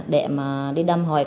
để mà đi đăm hỏi